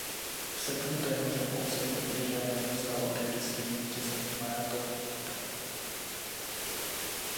V srpnu téhož roku se v Rio de Janeiro stal olympijským vítězem v maratonu.